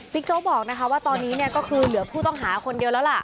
โจ๊กบอกนะคะว่าตอนนี้เนี่ยก็คือเหลือผู้ต้องหาคนเดียวแล้วล่ะ